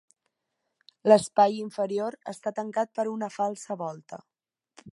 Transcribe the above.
L'espai inferior està tancat per una falsa volta.